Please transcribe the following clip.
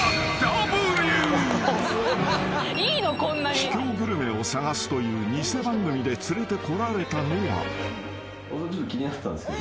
［秘境グルメを探すという偽番組で連れてこられたのは］